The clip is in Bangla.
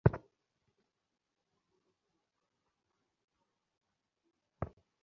তাহার মাঝে মাঝে সেই অসংযতস্নেহশালিনী মার কথাও আসিয়া পড়িতে লাগিল।